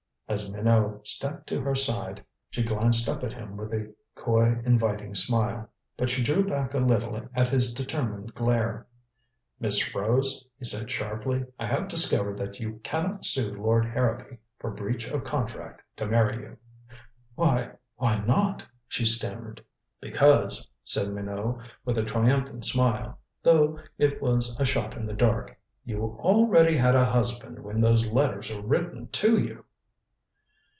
As Minot stepped to her side she glanced up at him with a coy inviting smile. But she drew back a little at his determined glare. "Miss Rose," he said sharply, "I have discovered that you can not sue Lord Harrowby for breach of contract to marry you." "Why why not?" she stammered. "Because," said Minot, with a triumphant smile though it was a shot in the dark "you already had a husband when those letters were written to you."